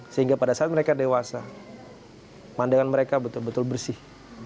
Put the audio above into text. sehingga pada saat mereka dewasa pandangan mereka betul betul bersih